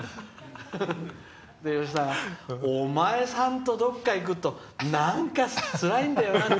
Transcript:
で、吉田がお前さんと、どこか行くとなんかつらいんだよなって。